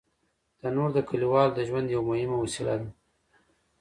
تنور د کلیوالو د ژوند یو مهم وسیله ده